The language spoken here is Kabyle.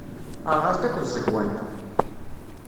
Rɣant akk tẓegwa-nneɣ.